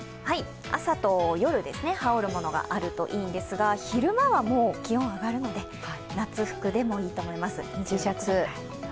朝と夜、羽織るものがあるといいんですが、昼間は気温が上がるので夏服でもいいと思います。